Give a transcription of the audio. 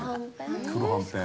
黒はんぺん？